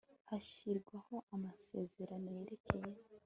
hashyirwaho amasezerano yerekeye